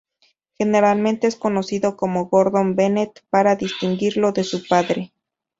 Generalmente es conocido como "Gordon Bennett," para distinguirlo de su padre.